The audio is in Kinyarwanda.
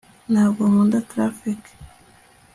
ntabwo nkunda traffic